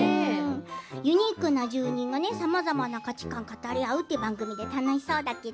ユニークな住人がさまざまな価値観を語り合うという番組なんだけど楽しそうだね。